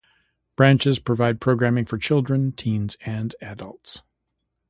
Branches provide programming for children, teens, and adults.